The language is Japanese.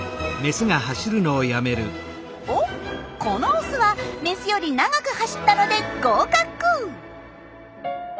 おっこのオスはメスより長く走ったので合格！